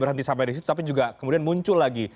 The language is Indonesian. berhenti sampai disitu tapi juga kemudian muncul lagi